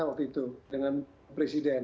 waktu itu dengan presiden